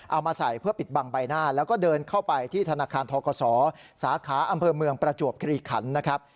เอามาใส่เพื่อปิดบังใบหน้าแล้วก็เดินเข้าไปที่ธนาคารทกศสาขาอำเภอเมืองประจวบคลีขันนะครับ